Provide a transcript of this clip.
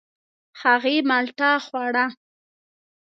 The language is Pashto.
هغې مالټه خوړه.